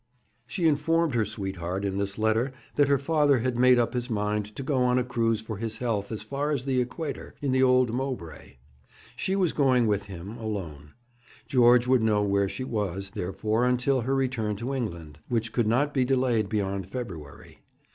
She informed her sweetheart in this letter that her father had made up his mind to go on a cruise for his health as far as the Equator, in the old Mowbray. She was going with him alone. George would know where she was, therefore, until her return to England, which could not be delayed beyond February.